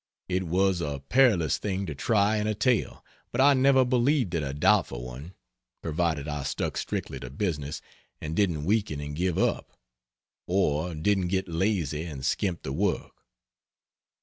It was a perilous thing to try in a tale, but I never believed it a doubtful one provided I stuck strictly to business and didn't weaken and give up: or didn't get lazy and skimp the work.